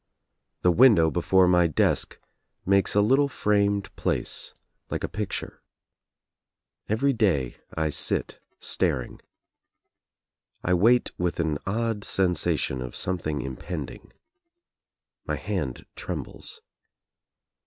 The win dow before my desk makes a little framed place like a I THE MAN IN THE BROWN COAT 99 picture. Every day I sit staring. I wait with an odd sensation of something impending. My hand trembles.